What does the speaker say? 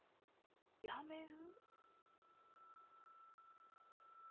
やめる？